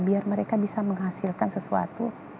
biar mereka bisa menghasilkan sesuatu